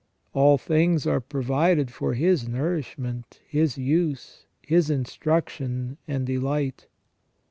All things are pro vided for his nourishment, his use, his instruction, and delight.